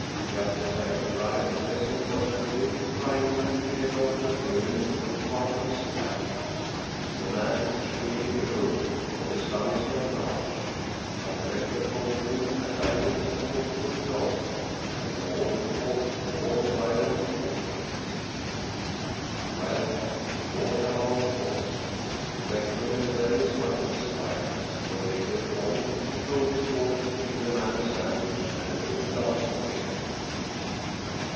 Just as I arrived a peasant was with him trying to be let off the payment of part of his tithe. The man is surely a rogue, for the sum is not large. But the rector talked to him as I wouldn't have talked to a dog, and the more, he talked the more violent he became. 279 Scandinavian Mystery Stories Well, we all have our faults. The rector meant well in spite of his violence, for later on he told his daughter to give the man a sandwich and a good glass of beer.